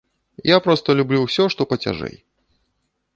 Я проста люблю ўсё, што пацяжэй.